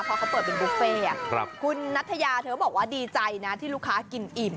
เพราะเขาเปิดเป็นบุฟเฟ่คุณนัทยาเธอบอกว่าดีใจนะที่ลูกค้ากินอิ่ม